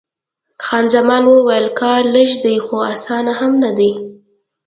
خان زمان وویل: کار لږ دی، خو اسان هم نه دی.